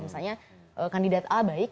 misalnya kandidat a baik